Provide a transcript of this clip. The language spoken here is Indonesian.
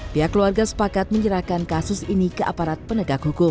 pihak keluarga sepakat menyerahkan kasus ini ke aparat penegak hukum